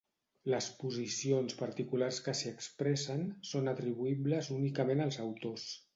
Les posicions particulars que s'hi expressen són atribuïbles únicament als autors.